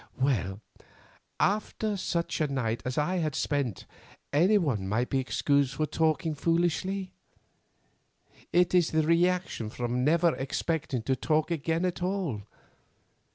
Well, after such a night as I had spent anyone might be excused for talking foolishly. It is the reaction from never expecting to talk again at all.